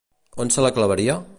On se la clavaria?